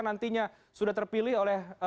nantinya sudah terpilih oleh